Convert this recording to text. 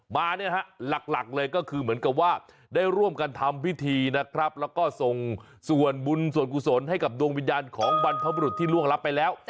มาเนี่ยฮะหลักเลยก็คือเหมือนกับว่าได้ร่วมกันทำพิธีนะครับแล้วก็ส่งส่วนบุญส่วนกุศลให้กับดวงวิญญาณของบรรพบรุษที่ล่วงรับไปแล้ว